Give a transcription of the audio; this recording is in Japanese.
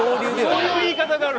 そういう言い方がある。